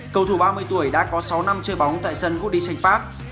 cầu thủ ba mươi tuổi đã có sáu năm chơi bóng tại sân woody sainz park